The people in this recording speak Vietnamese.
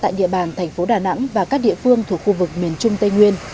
tại địa bàn thành phố đà nẵng và các địa phương thuộc khu vực miền trung tây nguyên